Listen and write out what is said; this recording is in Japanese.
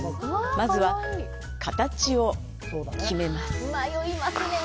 まずは、形を決めます。